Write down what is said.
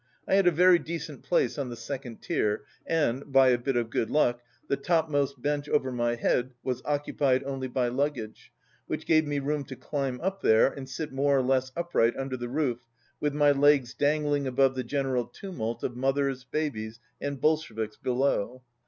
I had a very de cent place on the second tier, and, by a bit of good luck, the topmost bench over my head was occu pied only by luggage, which gave me room to climb up there and sit more or less upright under the roof with my legs dangling above the general tumult of mothers, babies, and Bolsheviks below.